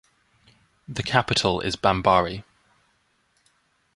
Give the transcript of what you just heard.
The capital is Bambari.